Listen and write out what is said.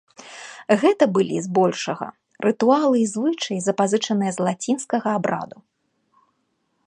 Гэта былі, збольшага, рытуалы і звычаі, запазычаныя з лацінскага абраду.